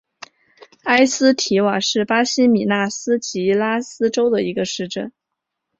埃斯蒂瓦是巴西米纳斯吉拉斯州的一个市镇。